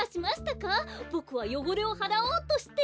ボクはよごれをはらおうとして。